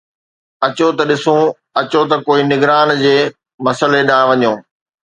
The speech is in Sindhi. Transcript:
اچو ته ڏسون، اچو ته ڪوئي نگران جي مسئلي ڏانهن وڃو